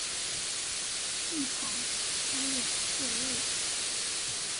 幸好还有座位